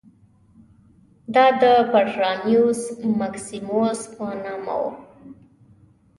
دا د پټرانیوس مکسیموس په نامه و